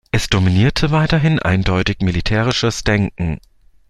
Es dominierte weiterhin eindeutig militärisches Denken.